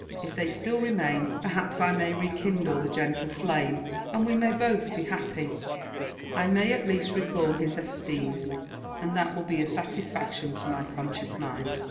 If they still remain, perhaps I may rekindle the gentle flame, and we may both be happy. I may at least recall his esteem, and that will be a satisfaction to my conscious mind.